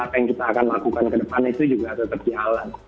apa yang kita akan lakukan ke depan itu juga tetap jalan